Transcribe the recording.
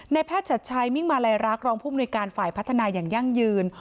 แพทย์ชัดชัยมิ่งมาลัยรักรองผู้มนุยการฝ่ายพัฒนาอย่างยั่งยืน